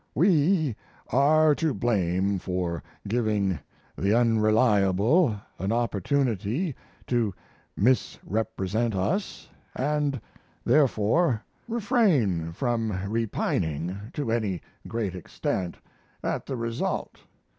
We are to blame for giving The Unreliable an opportunity to misrepresent us, and therefore refrain from repining to any great extent at the result.